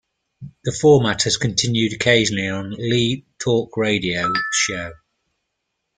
The format has continued occasionally on Lee's Talkradio show.